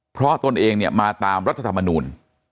เพราะตนเองมาตามรัฐธรรมนุม